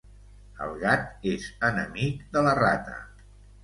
El gat és enemic de la rata.